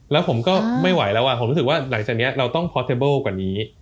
แล้วผมก็ไม่ไหวแล้วผมรู้สึกว่าหลังจากนี้เราต้องพอสเทเบิ้ลกว่านี้